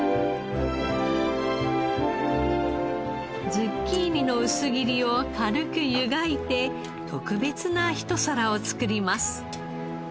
ズッキーニの薄切りを軽く湯がいて特別なひと皿を作ります。